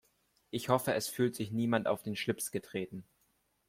Ich hoffe, es fühlt sich niemand auf den Schlips getreten.